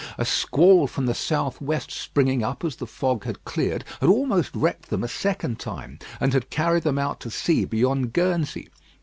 A squall from the south west springing up as the fog had cleared, had almost wrecked them a second time, and had carried them out to sea beyond Guernsey.